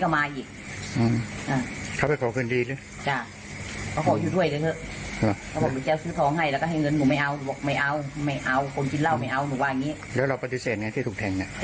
มาวบางวันก็มาววันนี้ก็มาววันนี้ก็มาอีก